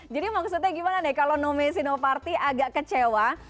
jadi maksudnya gimana kalau no messi no party agak kecewa